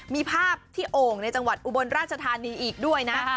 มีภาพที่โอ่งในจังหวัดอุบลราชธานีอีกด้วยนะ